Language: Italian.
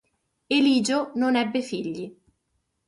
Eligio non ebbe figli.